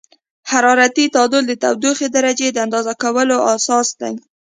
حرارتي تعادل د تودوخې درجې د اندازه کولو اساس دی.